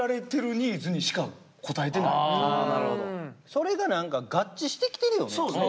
それが何か合致してきてるよね。